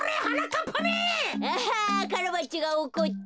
アハカラバッチョがおこった。